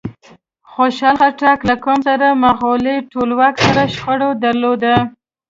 خوشحال خټک له کوم مغولي ټولواک سره شخړه درلوده؟